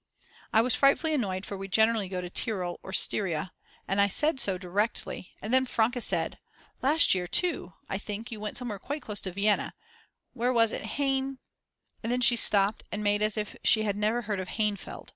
I was frightfully annoyed, for we generally go to Tyrol or Styria; I said so directly, and then Franke said: Last year too, I think, you went somewhere quite close to Vienna, where was it, Hain , and then she stopped and made as if she had never heard of Hainfeld.